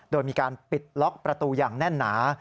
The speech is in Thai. โดยมีการปิดล็อกประตูอย่างแน่นหนา